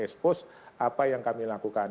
expose apa yang kami lakukan